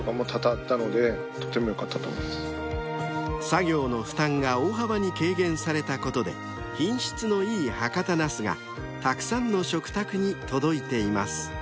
［作業の負担が大幅に軽減されたことで品質のいい博多なすがたくさんの食卓に届いています］